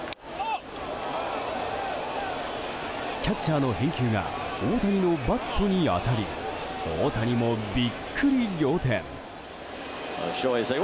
キャッチャーの返球が大谷のバットに当たり大谷もビックリ仰天。